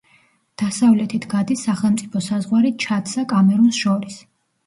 დასავლეთით გადის სახელმწიფო საზღვარი ჩადსა კამერუნს შორის.